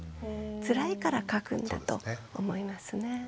つらいから書くんだと思いますね。